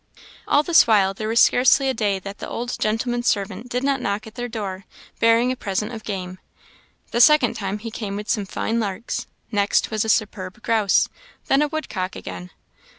All this while there was scarcely a day that the old gentleman's servant did not knock at their door, bearing a present of game. The second time he came with some fine larks; next was a superb grouse; then woodcock again.